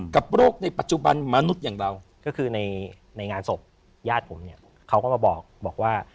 กับโรคในปัจจุบันมนุษย์อย่างเรา